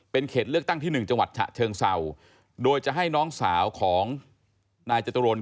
เป็นเขตเลือกตั้งที่๑จังหวัดฉะเชิงเศร้าโดยจะให้น้องสาวของนายจตุรน